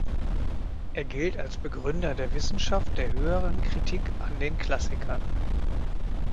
Er gilt als Begründer der Wissenschaft der höheren Kritik an den Klassikern.